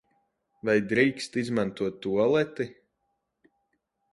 Vai drīkst izmantot tualeti?